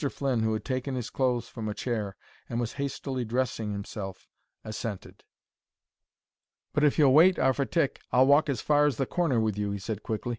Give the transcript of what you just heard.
Flynn, who had taken his clothes from a chair and was hastily dressing himself, assented. "But if you'll wait 'arf a tick I'll walk as far as the corner with you," he said, quickly.